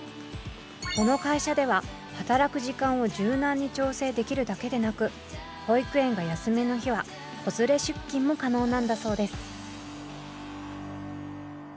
この会社では働く時間を柔軟に調整できるだけでなく保育園が休みの日は子連れ出勤も可能なんだそうです。